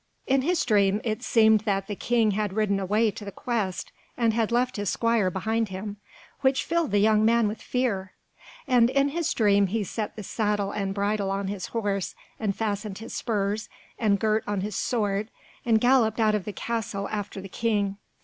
In his dream it seemed that the King had ridden away to the quest, and had left his squire behind him, which filled the young man with fear. And in his dream he set the saddle and bridle on his horse, and fastened his spurs, and girt on his sword, and galloped out of the castle after the King.